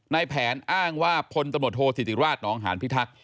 ในแผนอ้างว่าพศสิติราชนองฮพิธรรพ์